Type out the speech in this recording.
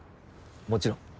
もちろん。